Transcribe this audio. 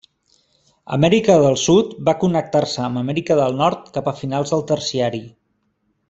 Amèrica del Sud va connectar-se amb Amèrica del Nord cap a finals del Terciari.